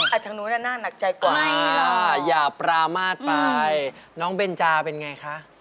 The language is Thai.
แต่ทางนู้นน่ะน่าหนักใจกว่าอย่าปรามาทไปน้องเบนจาเป็นไงคะ